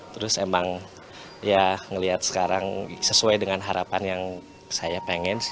terus emang ya ngeliat sekarang sesuai dengan harapan yang saya pengen